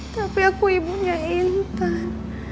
tapi aku ibunya intan